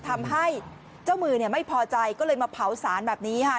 ทำให้เจ้ามือไม่พอใจก็เลยมาเผาสารแบบนี้ค่ะ